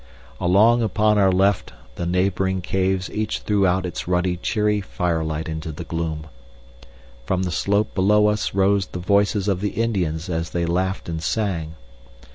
Along upon our left the neighboring caves each threw out its ruddy cheery firelight into the gloom. From the slope below us rose the voices of the Indians as they laughed and sang.